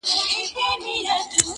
• د ا یوازي وه په کټ کي نیمه شپه وه ,